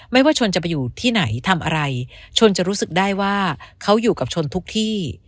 ไม่ว่าชนจะไปอยู่ที่ไหนทำอะไรชนจะรู้สึกได้ว่าเขาอยู่กับชนทุกที่